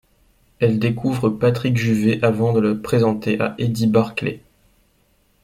Elle découvre Patrick Juvet avant de le présenter à Eddy Barclay.